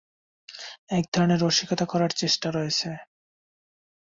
একধরনের রসিকতা করার চেষ্টা করছে।